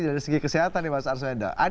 dari segi kesehatan nih mas arswenda